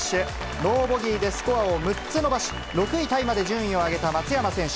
ノーボギーでスコアを６つ伸ばし、６位タイまで順位を上げた松山選手。